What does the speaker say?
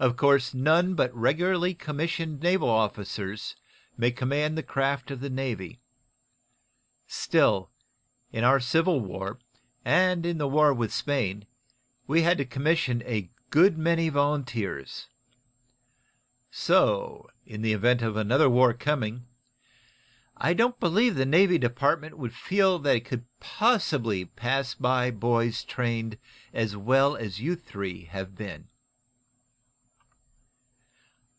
"Of course, none but regularly commissioned naval officers may command the craft of the Navy. Still, in our Civil War, and in the War with Spain, we had to commission a good many volunteers. So, in the event of another war coming, I don't believe the Navy Department would feel that it could possibly pass by boys trained as well as you three have been."